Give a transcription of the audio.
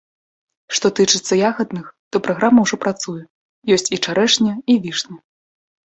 Што тычыцца ягадных, то праграма ўжо працуе, ёсць і чарэшня, і вішня.